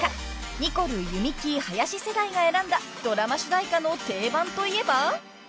［ニコル弓木林世代が選んだドラマ主題歌の定番といえば］